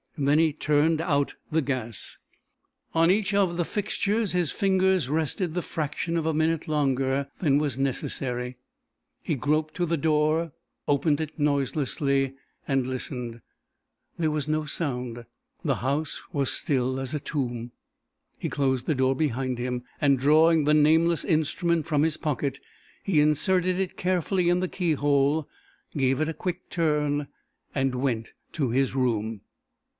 Then he turned out the gas. On each of the fixtures his fingers rested the fraction of a minute longer than was necessary. He groped to the door, opened it noiselessly and listened. There was no sound. The house was still as a tomb. He closed the door behind him and drawing the nameless instrument from his pocket he inserted it carefully in the keyhole, gave it a quick turn and went to his room.